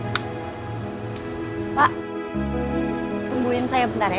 pak tungguin saya bentar ya